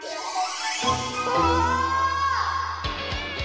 うわ！